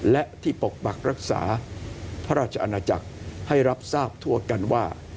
และที่ปกปักรักษาพระราชอาณาจักรให้รับทราบทั่วกันว่า